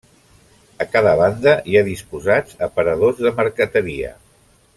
A cada banda hi ha disposats aparadors de marqueteria.